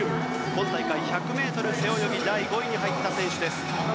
今大会１００ｍ背泳ぎ第５位に入った選手です。